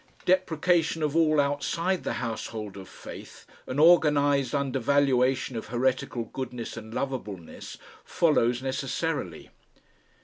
Deprecation of all outside the household of faith, an organised undervaluation of heretical goodness and lovableness, follows, necessarily.